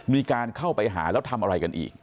มีการเข้าไปหาแล้วทำอะไรกันอีก